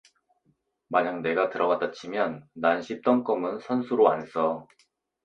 만약 내가 들어갔다 치면 난 씹던 껌은 선수로 안 써